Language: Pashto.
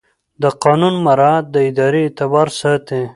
د قانون مراعات د ادارې اعتبار ساتي.